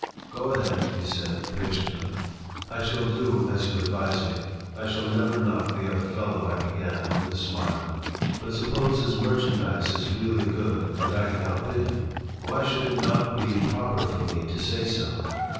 "Go ahead," he said, patiently "I shall do as you advise me. I shall never knock the other fellow," I began, with a smile. "But suppose his merchandise is really good, and I can outbid him. Why should it not be proper for me to say so?